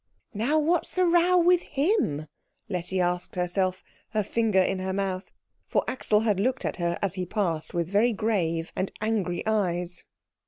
"Now what's the row with him?" Letty asked herself, her finger in her mouth; for Axel had looked at her as he passed with very grave and angry eyes.